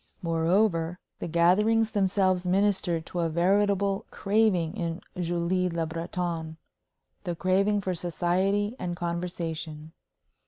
Moreover, the gatherings themselves ministered to a veritable craving in Julie Le Breton the craving for society and conversation.